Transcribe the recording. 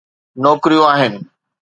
نوڪريون آهن.